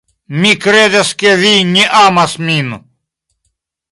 Mi kredas ke vi ne amas min.